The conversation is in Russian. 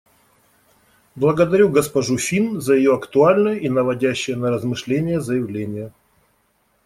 Благодарю госпожу Фин за ее актуальное и наводящее на размышления заявление.